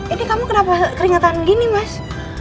ini kamu kenapa kenyataan gini mas